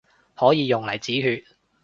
可以用嚟止血